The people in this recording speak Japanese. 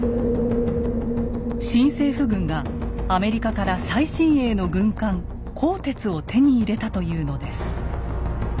新政府軍がアメリカから最新鋭の軍艦「甲鉄」を手に入れたというのです。